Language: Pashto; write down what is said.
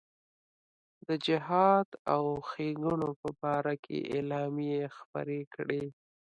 د جهاد او ښېګڼو په باره کې اعلامیې خپرې کړې.